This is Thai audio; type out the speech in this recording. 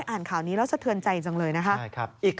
อ่านข่าวนี้แล้วสะเทือนใจจังเลยนะคะ